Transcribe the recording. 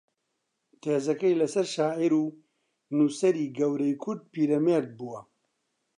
تێزەکەی لەسەر شاعیر و نووسەری گەورەی کورد پیرەمێرد بووە